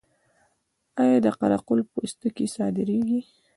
آیا د قره قل پوستکي صادریږي؟